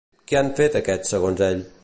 Què han fet aquests segons ell?